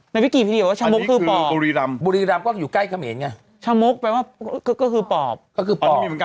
นี่จังหวัดอะไรเถอะ